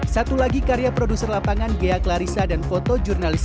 satu lagi karya produser lapangan gak larisan dan foto jurnalis